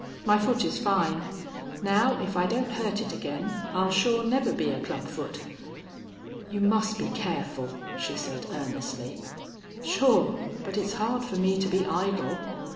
My foot is fine. Now, if I don't hurt it again I'll sure never be a club foot." "You must be careful," she said, earnestly. "Sure. But it's hard for me to be idle.